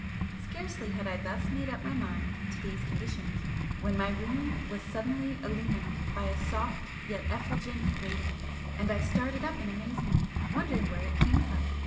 Scarcely had I thus made up my mind to these conditions when my room was suddenly illumined by a soft yet effulgent radiance and I started up in amazement, wondering where it came from.